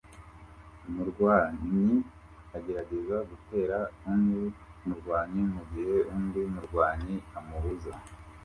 Umurwanyi agerageza gutera undi murwanyi mugihe undi murwanyi amubuza